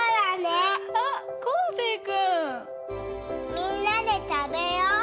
みんなでたべよう！